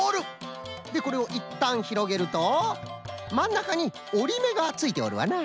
でこれをいったんひろげるとまんなかにおりめがついておるわな。